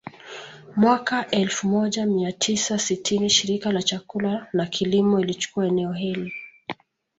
Mwaka elfu moja mia tisa sitini Shirika la Chakula na Kilimo ilichukua eneo hili